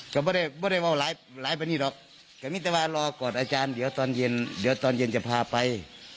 ก็ไม่ได้ไม่ได้ว่าหลายหลายบรรณีหรอกแต่มิตรวาลรอก่อนอาจารย์เดี๋ยวตอนเย็นเดี๋ยวตอนเย็นจะพาไป